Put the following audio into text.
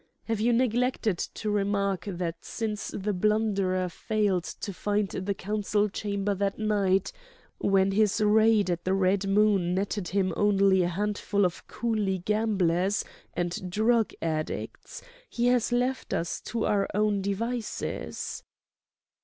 "Have you neglected to remark that since the blunderer failed to find the Council Chamber that night, when his raid at the Red Moon netted him only a handful of coolie gamblers and drug addicts, he has left us to our own devices?"